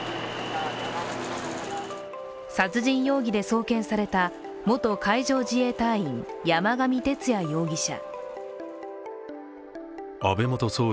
殺人容疑で送検された元海上自衛隊員・山上徹也容疑者。